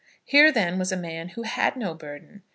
Here, then, was a man who had no burden.